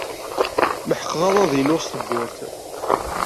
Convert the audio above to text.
Meḥqeɣ aḍad-inu s tewwurt.